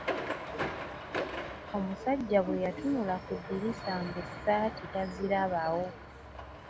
Omusajja bwe yatunula ku ddirisa ng'essaati tazilabawo.